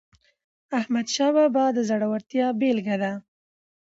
احمدشاه بابا د زړورتیا بېلګه ده.